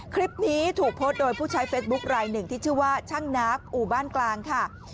คลิปนี้ถูกโพสต์โดยผู้ใช้เฟซบุ๊คลายหนึ่งที่ชื่อว่าช่างน้ำอู่บ้านกลางค่ะ